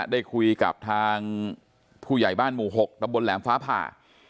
ได้คุยกับทางผู้ใหญ่บ้านหมู่๖ตำบลแหลมฟ้าผ่า